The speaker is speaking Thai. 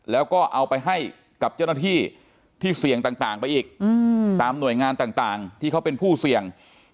แล้วก็เอาไปให้กับเจ้าหน้าที่ที่เสี่ยงต่างไปอีกตามหน่วยงานต่างที่เขาเป็นผู้เสี่ยง